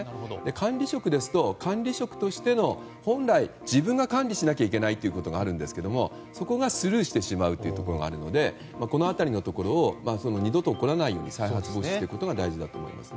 管理職ですと管理職としての本来自分が管理しなければいけないということがあるんですけどそこがスルーしてしまうというところがあるのでこのようなことが二度と起こらないように再発防止することが大事だと思います。